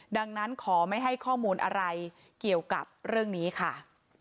ดังนั้นขอไม่ให้ข้อมูลอะไรเกี่ยวกับเรื่องนี้ค่ะ